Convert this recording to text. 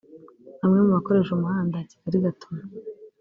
Bamwe mu bakoresha umuhanda Kigali- Gatuna